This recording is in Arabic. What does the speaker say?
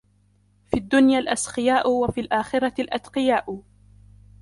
فِي الدُّنْيَا الْأَسْخِيَاءُ وَفِي الْآخِرَةِ الْأَتْقِيَاءُ